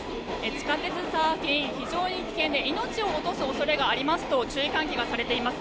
地下鉄サーフィン非常に危険で命を落とす恐れがありますと注意喚起がされています。